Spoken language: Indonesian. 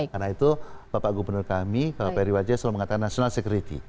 karena itu bapak gubernur kami pak ferry wajah selalu mengatakan national security